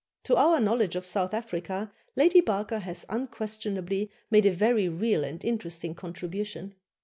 To our knowledge of South Africa, Lady Barker has unquestionably made a very real and interesting contribution.